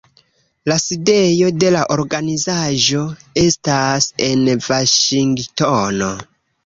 La sidejo de la organizaĵo estas en Vaŝingtono.